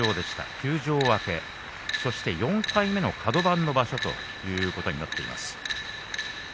休場明け、そして４回目のカド番の場所ということになっています。。